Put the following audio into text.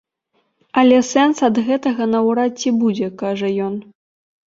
Але сэнс ад гэтага наўрад ці будзе, кажа ён.